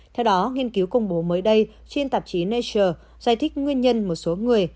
theo đó nghiên cứu công bố mới đây trên tạp chí nature giải thích nguyên nhân một số người